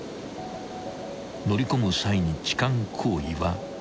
［乗り込む際に痴漢行為はなし］